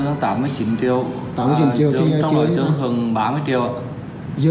dũng trọng đối chứng hơn ba mươi triệu